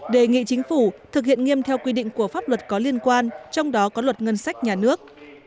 đề nghị chính phủ thực hiện nghiêm theo quy định của pháp luật có liên quan trong đó có luật ngân sách nhà nước